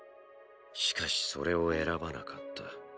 しかしそれを選ばなかった。